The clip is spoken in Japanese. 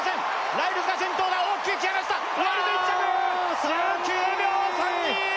ライルズが先頭だ大きく引き離したライルズ１着１９秒３２！